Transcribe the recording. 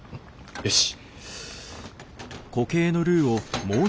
よし。